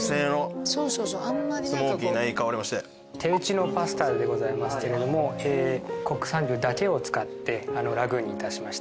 手打ちのパスタでございますけれども国産牛だけを使ってラグーにいたしました。